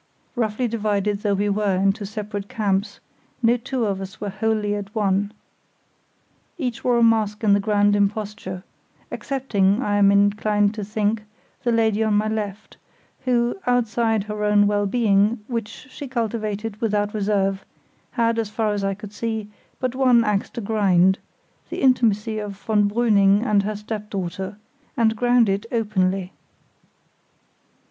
Roughly divided though we were into separate camps, no two of us were wholly at one. Each wore a mask in the grand imposture; excepting, I am inclined to think, the lady on my left, who, outside her own well being, which she cultivated without reserve, had, as far as I could see, but one axe to grind—the intimacy of von Brüning and her stepdaughter—and ground it openly.